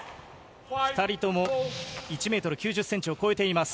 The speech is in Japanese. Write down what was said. ２人とも１ｍ９０ｃｍを超えています。